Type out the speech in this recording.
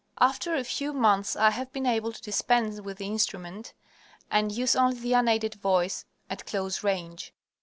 After a few months I have been able to dispense with the instrument and use only the unaided voice at close range.